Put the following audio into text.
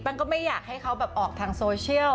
ก็ไม่อยากให้เขาแบบออกทางโซเชียล